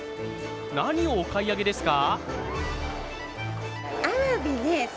何をお買い上げですか？